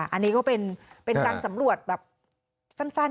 อันนี้ก็เป็นการสำรวจแบบสั้น